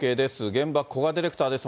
現場、こがディレクターです。